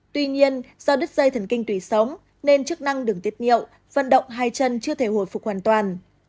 tuy nhiên do đứt dây thần kinh tùy sống nên chức năng đường tiết niệu vận động hai chân chưa thể hồi phục hoàn toàn